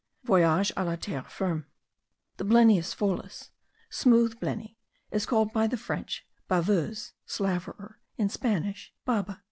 Voyage a la Terre Ferme. The Blennius pholis, smooth blenny, is called by the French baveuse (slaverer), in Spanish, baba.)